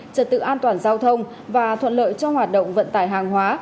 trật tự an toàn giao thông và thuận lợi cho hoạt động vận tải hàng hóa